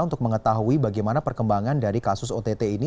untuk mengetahui bagaimana perkembangan dari kasus ott ini